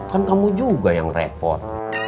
kan kamu juga yang repot